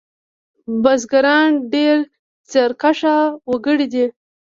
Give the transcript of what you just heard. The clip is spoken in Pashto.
بزگران ډېر زیارکښ وگړي دي.